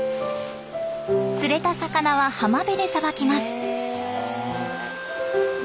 釣れた魚は浜辺でさばきます。